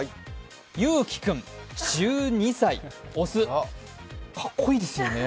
ゆうきくん１２歳、雄、かっこいいですよね。